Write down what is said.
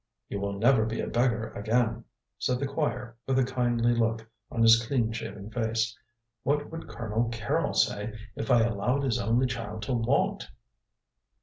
"You will never be a beggar again," said the Squire, with a kindly look on his clean shaven face. "What would Colonel Carrol say if I allowed his only child to want?"